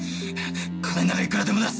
金ならいくらでも出す！